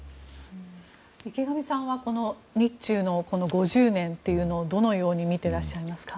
池上さんはこの日中の５０年というのをどのように見ていらっしゃいますか？